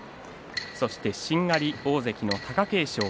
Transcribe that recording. そして、しんがり大関の貴景勝。